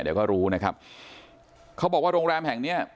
เดี๋ยวก็รู้นะครับเขาบอกว่าโรงแรมแห่งเนี้ย